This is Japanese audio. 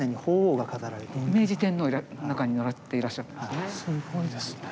明治天皇が中に乗っていらっしゃったんですね。